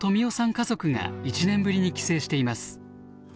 家族が１年ぶりに帰省しています。